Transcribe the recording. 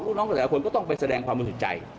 ลูกน้องกับแต่ละคนก็ต้องไปแสดงความโบสถ์ใจ